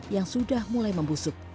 yang sudah mulai membusuk